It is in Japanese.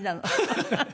ハハハハ！